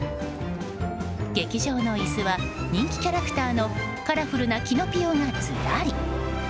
劇場の椅子は人気キャラクターのカラフルなキノピオがずらり。